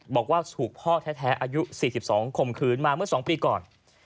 บอกว่าถูกพ่อแท้อายุ๔๒ข่มขืนมาเมื่อ๒ปีก่อน